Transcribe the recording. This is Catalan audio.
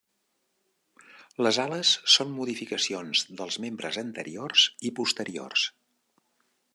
Les ales són modificacions dels membres anteriors i posteriors.